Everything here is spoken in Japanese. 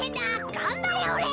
がんばれおれ！」